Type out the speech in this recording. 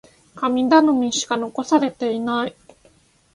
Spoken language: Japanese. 神頼みしか残されていない。